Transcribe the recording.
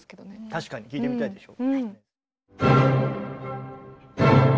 確かに聴いてみたいでしょ。